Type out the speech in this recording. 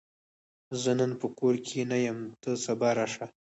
زه نن په کور کې نه یم، ته سبا راشه!